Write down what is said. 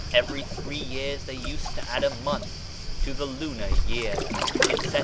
. every three years they used to add a month to the lunar year ...," etc.